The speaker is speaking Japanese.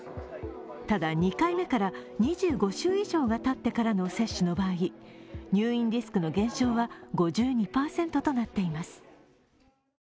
ただ、２回目から２５週以上がたってからの接種の場合、入院リスクの減少は５２％となっています。